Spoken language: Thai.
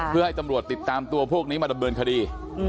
เพื่อให้ตำรวจติดตามตัวพวกนี้มาดำเนินคดี